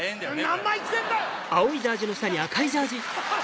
何枚着てんだよ！